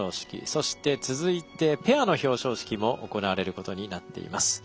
そして続いてペアの表彰式も行われることになっています。